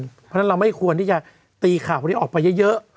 เพราะฉะนั้นเราไม่ควรที่จะตีข่าวพวกนี้ออกไปเยอะ